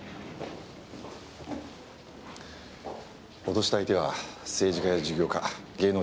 脅した相手は政治家や事業家芸能人など。